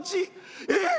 「えっ！